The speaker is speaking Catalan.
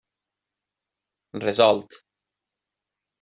Resolt!